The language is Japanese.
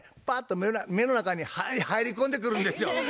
パッと目の中に入り込んでくるんですよ。